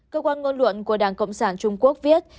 cơ quan ngôn luận của đảng cộng sản trung quốc viết